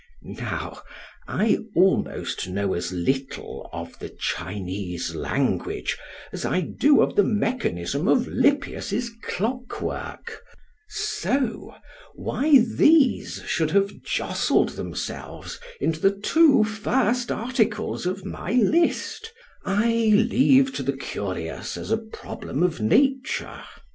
Now I almost know as little of the Chinese language, as I do of the mechanism of Lippius's clock work; so, why these should have jostled themselves into the two first articles of my list——I leave to the curious as a problem of Nature.